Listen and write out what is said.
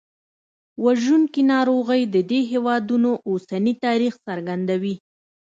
وژونکي ناروغۍ د دې هېوادونو اوسني تاریخ څرګندوي.